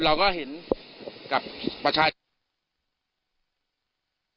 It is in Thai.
เราก็เห็นกับประชาชน